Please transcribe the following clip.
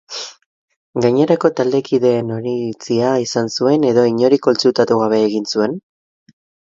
Gainerako taldekideen oniritizia izan zuen edo inori kontsultatu gabe egin zuen?